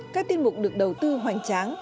các tiên mục được đầu tư hoành tráng